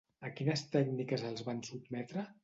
A quines tècniques els van sotmetre?